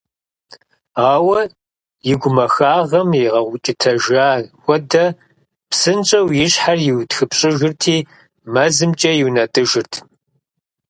Ауэ и гумахагъэм игъэукӏытэжа хуэдэ, псынщӏэу и щхьэр иутхыпщӏырти мэзымкӏэ иунэтӏыжырт.